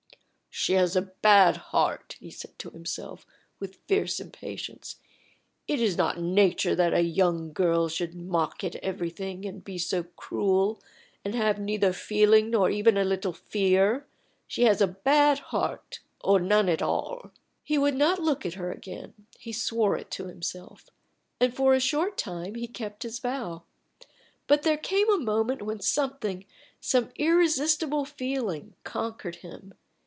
"She has a bad heart," he said to himself, with fierce impatience. "It is not nature that a young girl should mock at everything, and be so cruel, and have neither feeling nor even a little fear. She has a bad heart, or none at all." He would not look at her again; he swore it to himself. And for a short time he kept his vow; but there came a moment when something, some irresistible feeling, conquered him.